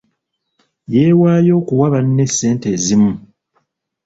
Yeewaayo okuwa banne ssente ezimu.